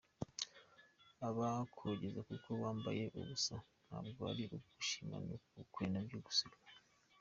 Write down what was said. Abakogeza kuko wambaye ubusa ntabwo ari ukugushima ni ukugukwena Byukusenge